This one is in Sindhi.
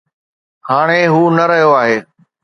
هاڻي هو نه رهيو آهي.